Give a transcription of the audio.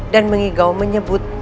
dan mengigau menyebut